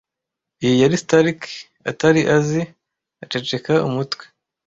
Iyi yari Stark atari azi. Aceceka umutwe.